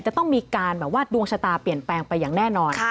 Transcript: จะต้องมีการแบบว่าดวงชะตาเปลี่ยนแปลงไปอย่างแน่นอน